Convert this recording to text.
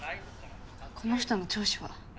この人の聴取は？